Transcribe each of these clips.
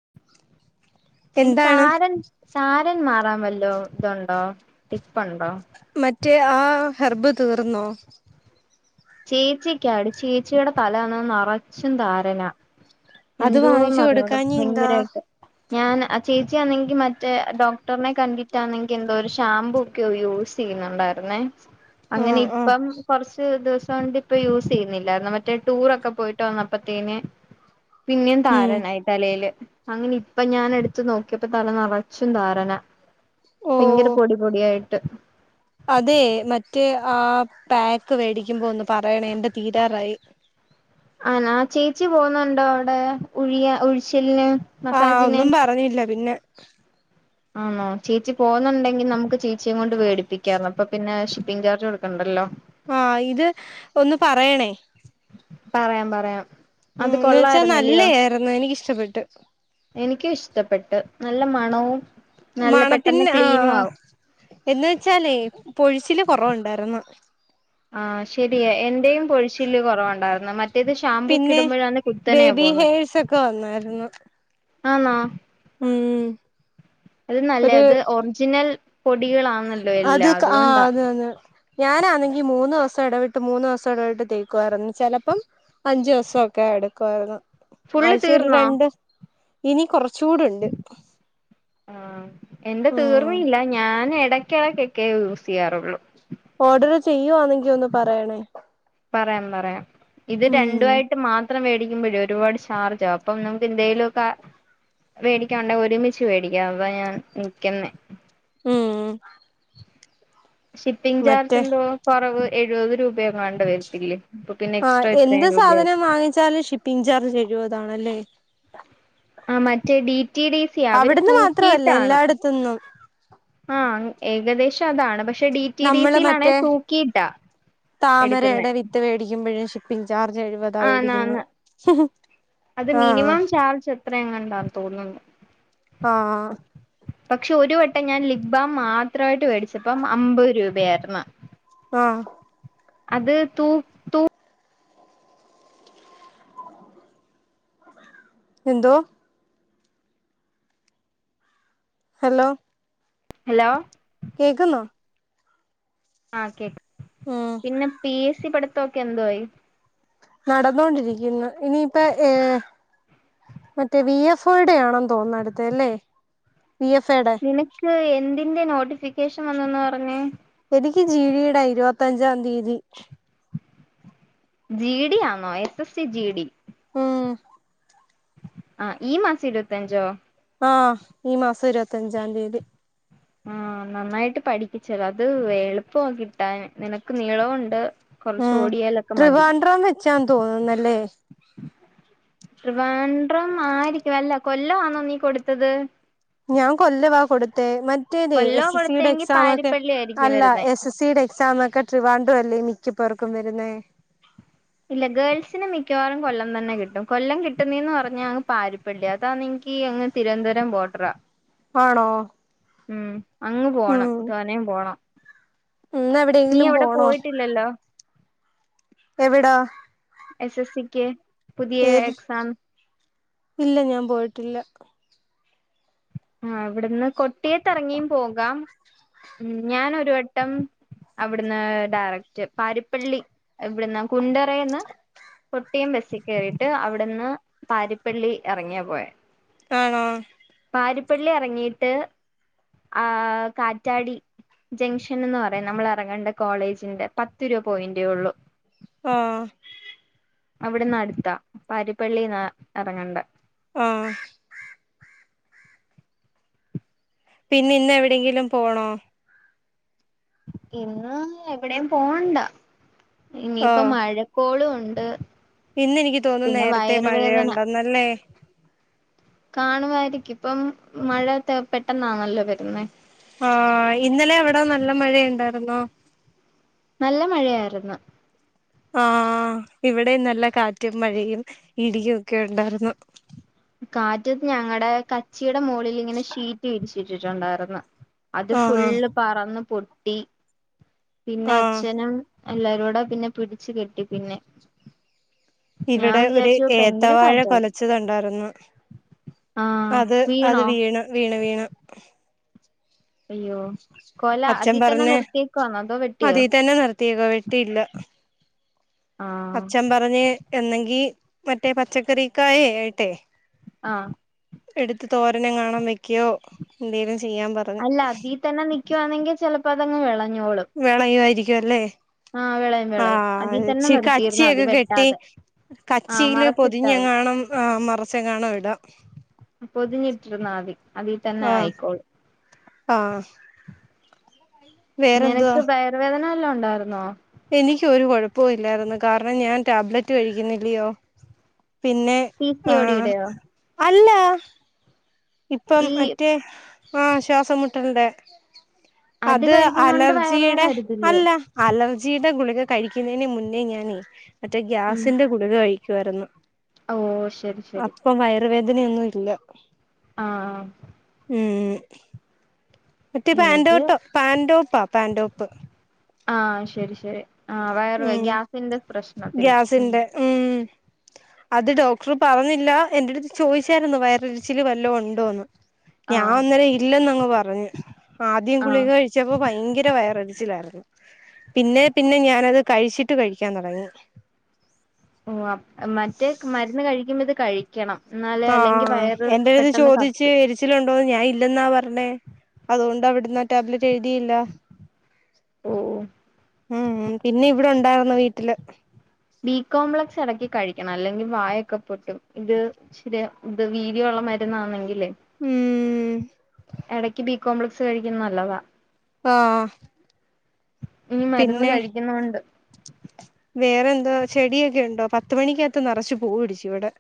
[inaudible] എനിക്ക് താരൻ താരൻ മാറാൻ വല്ലോം ഇതുണ്ടോ ടിപ്പുണ്ടോ മറ്റേ ആ ഹെർബ് തീർന്നോ ചേച്ചിക്ക് ആണ് ചേച്ചിയുടെ തല ആണേ നറച്ചും താരനാ അത് എന്തുവാന്ന് വാങ്ങിച്ചു അറിഞ്ഞൂടാ കൊടുക്കാഞ്ഞി എന്താ ഭയങ്കരവായിട്ട് ഞാൻ ചേച്ചിയാണെങ്കി മറ്റേ ഡോക്ടറിനെ കണ്ടിട്ടാണെങ്കി എന്തോ ഒരു ഷാംമ്പൂ ക്കെ യൂസ് ചെയ്യുന്നുണ്ടായിരുന്നേ അങ്ങനെ ആഹ് ആഹ് ഇപ്പം കൊറച്ച് ദിവസം കൊണ്ട് ഇപ്പം യൂസ് ചെയ്യുന്നില്ലായിരുന്നു മറ്റേ ടൂറൊക്കെ പോയിട്ട് വന്നപ്പത്തേന് പിന്നേം ഉം താരനായി തലയില് അങ്ങനെ ഇപ്പം ഞാൻ എടുത്ത് നോക്കിയപ്പോ തല നിറച്ചും താരനാ ഓ ഭയങ്കര പൊടി പൊടിയായിട്ട് അതേ മറ്റേ ആ പാക്ക് വേടിക്കുമ്പോ ഒന്ന് പറയണേ എന്റെ തീരാറായി ആണോ ചേച്ചി പോന്നുണ്ടോ അവിടെ ഉഴിയാ ഉഴിച്ചിലിന് ആഹ് മസാജിന് ഒന്നും പറഞ്ഞില്ല പിന്നെ ആണോ ചേച്ചി പോന്നുണ്ടെങ്കിൽ നമുക്ക് ചേച്ചിയേം കൊണ്ട് വേടിപ്പിക്കാരുന്നു അപ്പൊ പിന്നെ ഷി പ്പിംഗ് ചാർജ് കൊടുക്കണ്ടല്ലോ ആ ഇത് ഒന്ന് പറയണേ പറയാം പറയാം ഉം അത് എന്ന് വെച്ചാ കൊള്ളായിരുന്നല്ലയോ നല്ലയായിരുന്നു എനിക്കിഷ്ടപ്പെട്ടു എനിക്കും ഇഷ്ടപ്പെട്ടു നല്ല മണവും നല്ല പെട്ടെന്ന് മണത്തിന് ആ ക്ലീനും ആവും എന്ന് വെച്ചാലേ പൊഴിച്ചില് കൊറവൊണ്ടായിരുന്നു ആ ശരിയാ എന്റേയും പൊഴിച്ചില്ല് കൊറവുണ്ടായിരുന്നു മറ്റ റ്റേത് ഷാംമ്പൂ ഒക്കെ പിന്നെ ഇടുമ്പോഴാന്നെ കുത്തനെയാ ബേബി പോന്നെ ഹെയർസ് ഒക്കെ വന്നായിരുന്നു ആന്നോ ഉം അതിലും നല്ലയാ ഇത് ഒരു ഒറിജിനൽ പൊടികളാന്നല്ലോ അത് കാ ആ അതെ അതെ ഞാനാണെങ്കി മൂന്ന് ദിവസം എടവിട്ട് മൂന്ന് ദിവസം എടവിട്ട് തേക്കുവായിരുന്നു ചെലപ്പം അഞ്ചു ദിവസൊക്കെ എടുക്കുവായിരുന്നു ഫുള്ള് ആഴ്ച്ചേൽ തീർന്നോ രണ്ട് ഇനി കൊറച്ചൂടെ ഒണ്ട് ആഹ് എന്റെ ഉം തീർന്നില്ല ഞാൻ എട യ്ക്ക് എടയ്ക്കേ യൂസ് ചെയ്യാറുള്ളൂ ഓർഡറ് ചെയ്യുവാന്നെങ്കി ഒന്ന് പറയണേ പറയാം പറയാം ഇത് ഉം രണ്ടും ആയിട്ട് മാ ത്രം മേടിക്കുമ്പഴേ ഒരുപാട് ചാർജ്ജ് ആകും അപ്പം നമുക്ക് എന്തേലുവൊക്കെ വേടിക്കാൻ ഉണ്ടേൽ ഒരുമിച്ച് വേടിക്കാം അതാ ഞാൻ നിക്കുന്നേ ഉം ഷിപ്പിംഗ് ചാർജ് മറ്റേ എന്തോ കൊറവ് എഴുപത് രൂപയോങ്ങാണ്ട് വരുത്തില്ലേ ആ എന്ത് സാധനം വാങ്ങിച്ചാലും ഷിപ്പിംഗ് ചാർജ് എഴുപതാണല്ലേ ആ മറ്റേ ഡി റ്റി ഡി സി യാ അവര് അവിടുന്ന് മാത്രമല്ല തൂക്കീട്ടാണ് എല്ലായിടത്തുന്നും ആഹ് ഏകദേശം അതാണ് പ നമ്മള് മറ്റേ എടുക്കുന്നെ താമരയുടെ വിത്ത് വേടിക്കുമ്പഴ് പിൻ ചാർജ്ജ് എഴുപത് ആന്ന് ആന്ന് അത് ആഹ് മിനിമം ചാർജ് എത്രയങ്ങാണ്ടാന്ന് തോന്നുന്നു ആഹ് പക്ഷെ ഒരു വട്ടം ഞാൻ ലിപ് ബാം മാത്രവായിട്ട് മേടിച്ചപ്പം അമ്പത് രൂപയായിരുന്നു ആഹ് അത് തൂ എന്തോ ഹലോ ഹലോ കേക്കുന്നോ ആഹ് കേക്കാം ഉം പിന്നെ പി എസ് സി പഠിത്തവൊക്കെ എന്തായി നടന്നോണ്ടിരിക്കുന്ന് ഇനിപ്പ ഏഹ് മറ്റേ വി എഫ് ടെ ആണന്ന് തോന്നു അടുത്തെ ലെ വി എഫ്ടെ. നിനക്ക് എന്തിന്റെ നോട്ടിഫിക്കേഷൻ വന്നന്ന് പറഞ്ഞെ? എനിക്ക് ജീ ഡി ടെ ഇരുപത്തഞ്ചാം തീതി. ജി ഡി ആന്നോ S S C G D.. ഉം ആഹ് ഈ മാസ ഇരുപത്തിഅഞ്ചോ ആഹ ഈ മാസം ഇരുപത്തിഞ്ചാം തീയതി ആഹ് നന്നായിട്ട് പഠിപ്പിച്ചതാ അത് എളുപ്പം കിട്ടാൻ നിനക്ക് നീളവും ണ്ട്. ഉം ട്രിവാഡ്രം വെച്ചാ തോന്നുന്നല്ലേ.? ട്രിവാണ്ട്രം ആയിരിക്കും അല്ല കൊല്ലന്നോ നീ കൊടുത്തത്.? ഞാ കൊല്ലവാ കൊടുത്തെ മ റ്റേത് കൊല്ലോ എസ് എസ് സിയുടെ കൊടുത്തെങ്കി എക്സാം ഒക്കെ പാരിപ്പള്ളി ആയിരിക്കും അല്ല വരുന്നേ എസ് എസ് സിയുടെ എക്സാം ക്കെ ട്രവാഡ്രല്ലേ മിക്ക പേർക്കും വരുന്നെ. ഇല്ല ഗേൾസിന് മിക്ക്യവാറും കൊല്ലം തന്നെ കിട്ടും കൊല്ലം കിട്ടുന്നെന്ന് പറഞ്ഞാ അങ്ങ് പാരിപ്പള്ളി അതാ നിയ്ക്കി ങ്ങ് തിരുവനന്തപുരം ബോട്ടറ. ആണോ. ഉം അങ്ങ് പോണം ഉം തോനേം പോണം. ഇന്ന് നീ എവിടെയെങ്കിലും അവിടെ പോണോ പോയിട്ടില്ലല്ലോ.? എവിടാ എസ് എസ് സിക്ക് പുതിയ ഏത് എക്സാം. ഇല്ല ഞാ പോയിട്ടില്ല. ആ ഇവിടുന്ന് കൊട്ടിയത്ത്റങ്ങിയും പോകാം ഉം ഞാൻ ഒരു വട്ടം അവിടുന്ന് ഡയറക്റ്റ് പാരിപ്പള്ളി ഇവിട്ന്ന് കുണ്ടറേന്ന് കൊട്ടിയം ബസ്സിൽ കേറിട്ട് അവിടെന്ന് പാരിപ്പള്ളി എറങ്ങിയാ പോയെ ആണോ പാരിപ്പള്ളി എറങ്ങിട്ട് ആ കാറ്റാടി ജംഗ്ഷൻ എന്ന് പറയും നമ്മൾ എറങ്ങേണ്ട കോളേജിന്റെ പത്ത് രൂപ പോയിന്റേ ഉള്ളൂ. ആഹ്. അവിട്ന്ന് അടുത്താ പാരിപ്പള്ളിന്ന എറങ്ങേണ്ടേ. ആഹ് പിന്നെ ഇന്ന് എവിടെയെങ്കിലും പോണോ? ഇന്ന് എവിടേം പോണ്ട ഇനിയിപ്പ മഴക്കോളും ഒണ്ട് ഇന്നെനിക്ക് തോന്നുന്നു നേരത്തെ മഴയോണ്ടന്നല്ലേ? കാണുവായിരിക്കും ഇപ്പം മഴ പെട്ടെന്നാണല്ലോ വെരുന്നേ. ആഹ് ഇന്നലെ അവിടെ നല്ല മഴയുണ്ടായിരുന്നോ? നല്ല മഴയായിര്ന്ന്. ആഹ് ഇവിടേം നല്ല കാറ്റും മഴയും ഇടിയും ഒക്കെ ഉണ്ടായിരുന്നു. കാറ്റത് ഞങ്ങടെ കച്ചിടെ മൊളിലിങ്ങനെ ഷീറ്റ് വിരിച്ചിട്ടിട്ടുണ്ടായ്ര്ന്ന്. അത് ആഹ് ഫുള് പറന്ന് പൊട്ടി പിന്നെ ആഹ് അച്ഛനും എല്ലാരോട പിന്നെ പിടച്ച് കെട്ടി പിന്നെ. ഞാൻ ഇവിടെ ഒരു വിചാരിച്ചു ഭയങ്കര ഏത്തവാഴ കാറ്റായിരുന്നു കൊലച്ചതോണ്ടായ്രുന്നു. ആഹ് അത് അത് വീണോ വീണ് വീണ് വീണ്. അയ്യോ കൊല അച്ഛൻ അതി തന്നെ പറഞ്ഞ് നിർത്തിയേക്കവാന്നോ അതോ വെട്ടിയോ? അതീ തന്നെ നിർത്തിയേക്കുവാ ആഹ് അച്ചൻ പറഞ് എന്നെങ്കി മറ്റേ പച്ചക്കറിക്കായ ഏട്ടെ ആഹ് എടുത്ത് തോരനെങ്ങാണു വെയ്ക്കോ എന്തെേലും ചെയ്യാൻ പറ അല്ല അതി തന്നെ നിക്കുവാണെങ്കി ചെലപ്പോ അതങ്ങ് വിളഞ്ഞോളും. വെളയായിരിക്കും അല്ലേ ആഹ് വിളയും വിളയും അതീ ആഹ് തന്നെ ച്ചി നിർത്തിയിരുന്നാ മതി കച്ചിയൊക്കെ കെട്ടി വെട്ടാതെ ആഹ് കച്ചിയില് മറച്ചിട്ടാ പൊതിഞ്ഞ് മതി കാണം മറച്ച് കാണോം ഇട പൊതിഞ്ഞിട്ടിരുന്നാംതി അതിൽ തന്നെ ആഹ് ആയിക്കോളൂ ആഹ് വേറെന്തുവാ നിനക്ക് വയർുവേദന വല്ലോ ണ്ടായിരുന്നോ എനിക്ക് ഒരു കൊഴപ്പവുംല്ലായിരുന്നു കാരണം ഞാൻ ടാബ്ലറ്റ് കഴിക്കുന്നില്ലയോ പിന്നെ പി സി ഓ ഡി ആഹ് യുടെയോ അല്ല ഇപ്പം ഈ മറ്റേ ആഹ് ശ്വാസംമുട്ടലിന്റെ അത് കഴിക്കുന്നോണ്ട് വയറുവേദന അലർജിയുടെ വരത്തില്ലയോ അല്ല അലർജിയുടെ ഗുളിക കഴിക്കുന്നതിന് മുന്നേ ഞാന് മറ്റേ ഗ്യാസിന്റെ ഗുളിക കഴിക്കായിരുന്നു ഓ ശരി ശരി ഇപ്പം വയറുവേദനയൊന്നും ഇല്ല ആഹ് ഉം മറ്റേ എനിക്ക് പാൻടോട്ടോ പാൻറ്ടോപ്പാ പാൻടോപ്പ് ആഹ് ശരി ശരി ആഹ് വയറ് ഉം ഗ്യാസിന്റെ പ്രശ്നത്തിന് ഗ്യാസിന്റെ ഉം അത് ഡോക്ടർ പറഞ്ഞില്ല എന്റെടുത്ത് ചോദിച്ചായിരുന്നു വയറിരിച്ചിൽ വല്ലോ ഉണ്ടോ എന്ന് ഞാൻ ആഹ് അന്നേരം ഇല്ലന്നങ് പറഞ്ഞു ആദ്യം ഗുളിക ആഹ് കഴിച്ച് കഴിച്ചപ്പോ ഭയങ്കര വയറിടിച്ചിലായിരുന്നു പിന്നെ പിന്നെ ഞാനത് കഴിച്ചിട്ട് കഴിക്കാൻ തൊടങ്ങി ഓ മറ്റേ മരുന്ന് കഴിക്കുമ്പ ഇത് കഴീ ക്കണം എന്നാല് അല്ലെങ്കിൽ വയറ് പെട്ടെന്ന് കത്തും ച്ചിലണ്ടോന്നന്ന് ഞാൻ ഇല്ലെന്നാ പറഞ്ഞേ അതുകൊണ്ട് അവിടന്ന് ടാബ്ലറ്റ് എഴുതിയില്ല ഓ ഓ ഉം പിന്നെ ഇവിടെ ഉണ്ടായിരുന്നു വീട്ടില് ബീ കോംപ്ലക്സ് എടക്ക് കഴിക്കണം അല്ലെങ്കിൽ വായൊക്കെ പൊട്ടും ത് ശരി ഇത് വീര്യുള്ള മരുന്നാണെങ്കില് ഉം എടയ്ക്ക് ബി കോംപ്ലക്സ് കഴിക്കുന്നല്ലവതാ ആഹ് ഉം മരുന്ന് പിന്നെ കഴിക്കുന്ന്ണ്ട് വേറെ എന്താ ചെടിയൊക്കെ ഉണ്ടോ പത്ത് മണിക്കകത്ത് നറച്ചു പൂവ് പിടിച്ചു ഇവടെ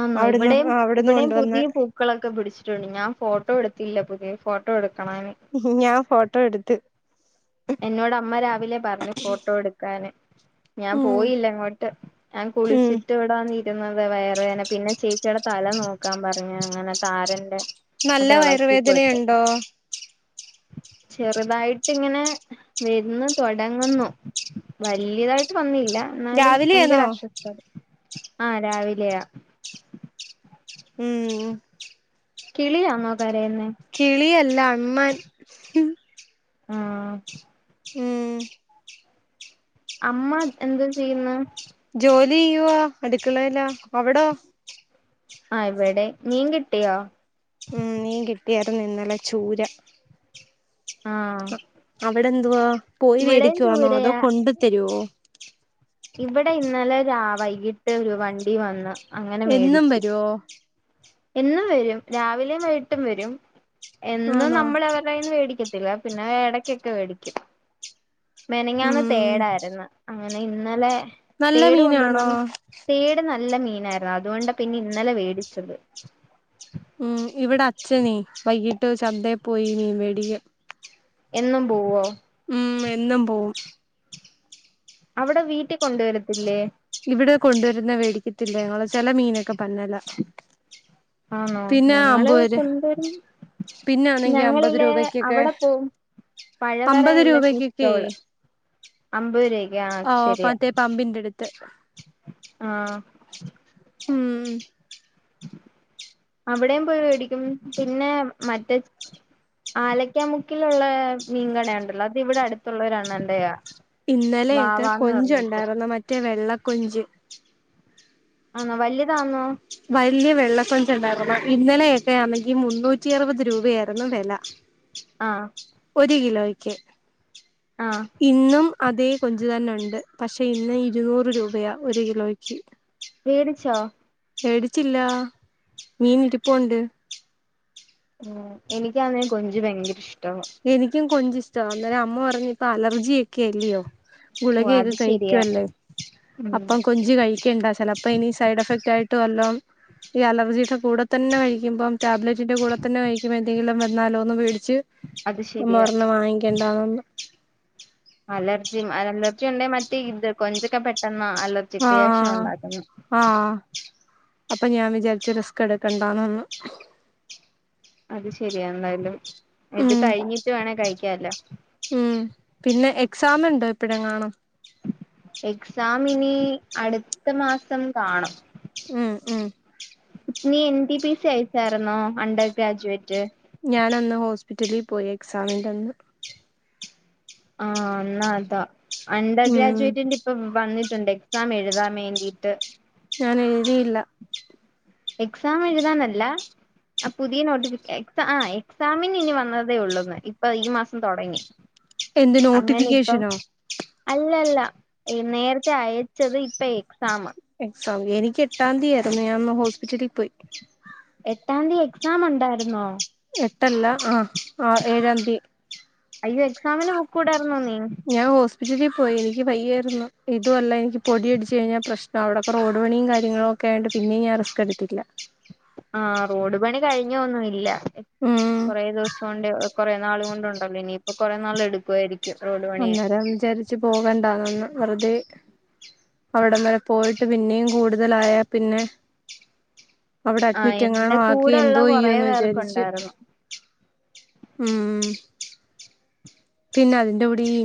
ആണോ ഇവിടെയും ഇവിടെയും കൊണ്ടുവന്ന പുതിയ പൂ ക്കളൊക്കെ പിടിച്ചിട്ടുണ്ട് ഞാൻ ഫോട്ടോ എടുത്തില്ല പുതിയ ഫോട്ടോ എടുക്കണനി ഞാൻ ഫോട്ടോ എടുത്ത് എന്നോട് അമ്മ രാവിലെ പറഞ്ഞു ഫോട്ടോ എടുക്കാന് ഞാൻ ഉം പോയില്ല അങ്ങോട്ട് ഞാൻ ഉം കുളിച്ചിട്ട് ഇവ്ടെ ന്ന ഇരുന്നത് വയറു വേധന പിന്നെ ചേച്ചിടെ തല നോക്കാൻ പറഞ്ഞു അങ്ങനെ താരന്റെ നല്ല അത് എളക്കി കൊടുത്ത് വയറുവേദനയുണ്ടോ ചെറുതായിട്ട് ഇങ്ങനെ വെര്ന്നു തൊടങ്ങുന്നു വല്യതായിട്ട് വന്നില്ല എന്നാലും ഭയങ്കര രാവിലെയാണോ അസ്വസ്ഥത ആഹ് രാവിലെയാ ഉം കിളിയാന്നോ കരയുന്നെ കിളിയല്ല അണ്ണാൻ ഹും ആഹ് ഉം അമ്മ എന്ത് ചെയ്യുന്നു ജോലി ചെയ്യുവ അടുക്കളേല അവടോ ആഹ് ഇവിടേം മീൻ കിട്ടിയോ ഉം മീൻ കിട്ടിയാർന്നു ഇന്നലെ ചൂര ആഹ് അവിടെന്തുവാ പോയി വേടിക്കുവാണൊ അതോ കൊണ്ട് തരോ ഇവടെ ഇന്നലെ രാ വൈകിട്ട് ഒരു വണ്ടി വന്നു എന്നും വരോ എന്നും വരും. രാവിലെ വൈട്ടും വരും. എന്നും ആണോ നമ്മളവര്ടെ യ്യിന്ന് വേടിക്കും ത്തില്ല പിന്ന എടയ്ക്കൊക്ക വേടിക്കും. മെനഞാന്ന് ഉം തേടായിര്ന്ന് അങ്ങനെ ഇന്നലെ നല്ല തേട് കൊണ്ടുവന്നു മീനാണോ തേട് നല്ല മീനായിര്ന്ന് അതുകൊണ്ട് പിന്നെ ഇന്നലെ വേടിച്ചത് ഉം ഇവടെ അച്ഛനെ വൈകീട്ട് ചന്തെ പോയി മീൻ വേടിക്കും എന്നും പൂവോ ഉം എന്നും പൂവും അവടെ വീട്ടി കൊണ്ട് വരത്തില്ലേ ഇവടെ കൊണ്ട് വര്ന്ന വേടിക്കത്തില്ല ഞങ്ങള് ചെല മീനൊക്ക പന്നല ആണോ ഞങ്ങള് കൊണ്ട് വരും പിന്നെ ആണെങ്കി അമ്പത് ഞങ്ങളില്ലേ രൂപക്കൊക്കെ അവടെ പോവും അമ്പത് പഴവറേല്ല ഫിഷ് രൂപക്കൊക്കെ സ്റ്റോള് അമ്പത് രൂവ ഓഹ് പറ്റെ പമ്പിന്റട്ത്ത് ആഹ് ഉം അവിടേം പൊയ് വേടിക്കും പിന്നേ മറ്റെ ആലയ്ക്കാ മുക്കിലുള്ള മീൻകട ഉണ്ടല്ലൊ അത് ഇവടെ അടുത്ത്ള്ളൊരാണ്ണന്റെയ ഇന്നലെയൊക്കെ കൊഞ്ചൊണ്ടാരുന്നു മറ്റെ വെള്ളക്കൊഞ്ച് ആന്നോ വല്ലിതാന്നോ വല്യ വെള്ള കൊഞ്ച് ഇണ്ടാർന്നു പക്ഷേ ഇന്നലെയൊക്കെ ആണെങ്കി മുന്നൂറ്റി അറുപത് രൂപയാർന്ന് വെല ആഹ് ഒര് കിലോയ്ക്ക് ആഹ് ഇന്നും അതേ കൊഞ്ച് തന്നേ ഉണ്ട് പഷെ ഇന്ന് ഇരുന്നൂറ് രൂപയാ ഒര് കിലോക്ക് മേടിച്ചോ മേടിച്ചില്ലാ മീൻ ഇരിപ്പുണ്ട് ഉം എനിക്കാണെ കൊഞ്ച് ഭയങ്കര ഇഷ്ട്ടവാ എനിക്കും കൊഞ്ച് ഇഷ്ട്ടവാ അന്നേരം അമ്മ പറഞ്ഞ് ഇപ്പ അലർജിയൊക്കെ അല്ലെയോ ഓഹ് ഗുളികയൊകെ അത് ശെരിയാ കഴിക്കുവല്ലെ ഉം അപ്പം കൊ ഞ്ച് കഴിക്കണ്ട ചിലപ്പോ ഇനി സൈഡ് എഫക്റ്റായിട്ട് വല്ലോം ഈ അലർജീടെ കൂടെ തന്നെ കഴിക്കുമ്പം ടാബ്ലറ്റിന്റെ കൂടെ തന്നെ കഴിക്കുമ്പൊ എന്തെങ്കിലും വന്നാലോന്ന് പേടിച്ച് അത് അമ്മ ശെരിയാ പറഞ്ഞു വാങ്ങിക്കെണ്ടാന്ന് പറഞ്ഞു അലർജി അലർജി ഉണ്ടേൽ മറ്റെ ഇത് കൊഞ്ചൊക്ക പെട്ടെന്ന് അലർജി ക്രിയേഷൻ ആഹ് ഉണ്ടാക്കുന്ന് ആഹ് അപ്പൊ ഞാൻ വിചാരിച്ച് റിസ്ക് എടുക്കണ്ടാന്ന് അത് ശരിയാ എന്തായാലും ഇത് ഉം കഴിഞ്ഞിട്ട് വേണെ കഴിക്കാല്ലൊ ഉം പിന്നെ എക്സാമുണ്ടോ ഇപ്പഴെങ്ങാനും എക്സാം ഇനി അടുത്ത മാസം കാണും ഉം ഉം നീ എൻ ഡീ ബീ എസ്സി അയച്ചാരുന്നൊ അണ്ടർ ഗ്രാജുവേറ്റ് ഞാൻ അന്ന് ഹോസ്പിറ്റലിൽ പോയി എക്സാമിന്റെ അന്ന് ആഹ് എന്നാ അതാ അണ്ടർ ഉം ഗ്രാജുവേറ്റിന്റെ ഇപ്പ വന്നിട്ടുണ്ട് എക്സാം എഴുതാൻ വേണ്ടീട്ട് ഞാന് എഴുതി ഇല്ല എക്സാം എഴുതാനല്ല ആഹ് പുതിയ നോട്ടി എക്സ ആഹ് എക്സാമിനി ഇനി വന്നതേ ഉള്ളൂന്ന് ഇപ്പൊ ഈ മാസം തൊടങ്ങി എന്ത് അങ്ങനെ ഇപ്പം നോട്ടിഫിക്കേഷനോ അല്ല അല്ല ഈ നേരത്തെ അയച്ചത് ഇപ്പൊ എക്സാമ് എക്സാം എനിക്ക് എട്ടാം തീയതിയായിരുന്നു ഞാൻ അന്ന് ഹോസ്പിറ്റലിൽ പോയി എട്ടാം തീയതി എക്സാം ഉണ്ടായിരുന്നോ? എട്ടല്ല ആഹ് ആഹ് ഏഴാം തീയതി അയ്യോ എക്സാമിന് പോക്കൂടാർന്നോ നീ ഞാൻ ഹോസ്പിറ്റലിൽ പോയി എനിക്ക് വയ്യായിരുന്നു ഇതും അല്ല എനിക്ക് പൊടിയടിച്ച് കഴിഞ്ഞാൽ പ്രശ് നവാ അവിടൊക്ക റോഡ് പണിയും കാര്യങ്ങളൊക്കെ ആയോണ്ട് പിന്നെ ഞാൻ റിസ്ക്കെടുത്തില്ല ആഹ് റോഡ് പണി കഴിഞ്ഞും ഒന്നും ഇല്ല ഉം കൊറെ ദിവസം കൊണ്ട് ഇ കെറേ നാള് കൊണ്ടുണ്ടല്ലോ ഇനിയിപ്പൊ കുറേ നാള് എടുക്കുവായിരിക്കും റോഡ് പണി അന്നേരം വിചാരിച്ചു പോകണ്ടാന്ന് അന്ന് വെറുതെ അവിടം വരെ പോയിട്ട് പിന്നെയും കൂടുതലായാ പിന്നെ അവിടെ ആഹ് അഡ്മിറ്റ് എന്റെ എങ്ങാനും കൂടെ ആക്കിയാ ഉള്ള എന്തോ കൊറേ ചെയ്യൂന്ന് വിചാരിച്ച് പേർക്കുണ്ടായിരുന്നു ഉം പിന്നെ അതിന്റെ കൂടെ ഈ